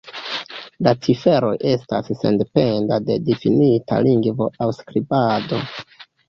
La ciferoj estas sendependa de difinita lingvo aŭ skribado.